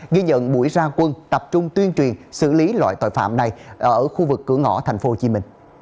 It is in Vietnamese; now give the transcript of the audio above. ghi nhận buổi ra quân tập trung tuyên truyền xử lý loại tội phạm này ở khu vực cửa ngõ tp hcm